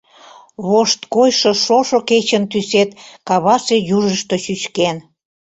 Вошткойшо шошо кечын тӱсет кавасе южышто чӱчкен.